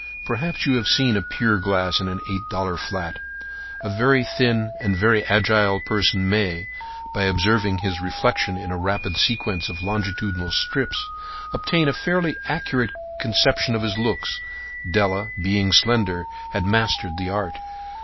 Perhaps you have seen a pier glass in an $8 flat. A very thin and very agile person may, by observing his reflection in a rapid sequence of longitudinal strips, obtain a fairly accurate conception of his looks. Della, being slender, had mastered the art.